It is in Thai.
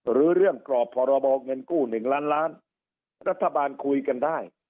หรือเรื่องกรอบพรบเงินกู้๑ล้านล้านรัฐบาลคุยกันได้